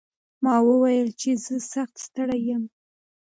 ما وویل چې زه سخت ستړی یم.